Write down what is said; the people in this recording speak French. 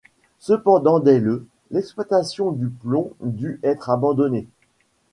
Cependant dès le l'exploitation du plomb dut être abandonnée.